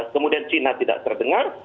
kemudian china tidak terdengar